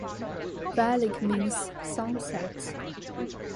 Ralik means "sunset".